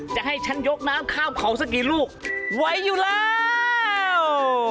จะให้ฉันยกน้ำข้ามเขาสักกี่ลูกไหวอยู่แล้ว